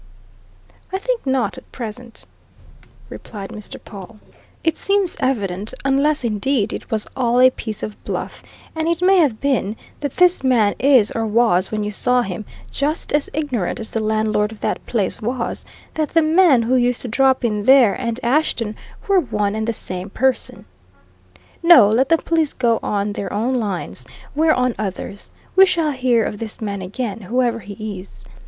"I think not, at present," replied Mr. Pawle. "It seems evident unless, indeed, it was all a piece of bluff, and it may have been that this man is, or was when you saw him, just as ignorant as the landlord of that place was that the man who used to drop in there and Ashton were one and the same person. No, let the police go on their own lines we're on others. We shall hear of this man again, whoever he is.